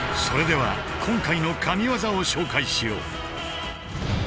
それでは今回の神技を紹介しよう。